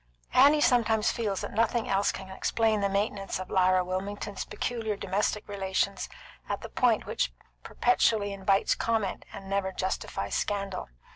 Annie sometimes feels that nothing else can explain the maintenance of Lyra Wilmington's peculiar domestic relations at the point which perpetually invites comment and never justifies scandal.